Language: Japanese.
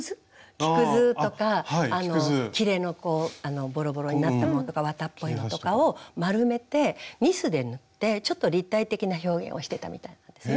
木くずとかきれのボロボロになったものとか綿っぽいのとかを丸めてニスで塗ってちょっと立体的な表現をしてたみたいなんですね。